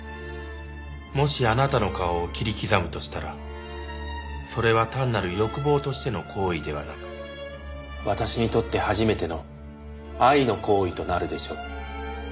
「もしあなたの顔を切り刻むとしたらそれは単なる欲望としての行為ではなく私にとって初めての愛の行為となるでしょう」